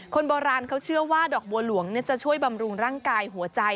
คนโบราณเขาเชื่อว่าดอกบัวหลวงจะช่วยบำรุงร่างกายหัวใจ